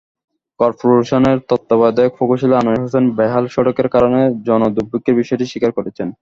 করপোরেশনের তত্ত্বাবধায়ক প্রকৌশলী আনোয়ার হোছাইন বেহাল সড়কের কারণে জনদুর্ভোগের বিষয়টি স্বীকার করেছেন।